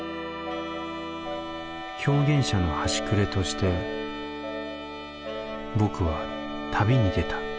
表現者の端くれとして僕は旅に出た。